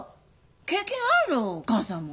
経験あるろお母さんも。